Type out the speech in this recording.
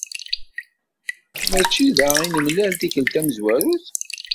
Mačči da i nemlal tikelt tamezwarut?